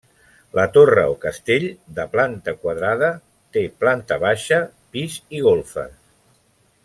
La torre o castell, de planta quadrada, té planta baixa, pis i golfes.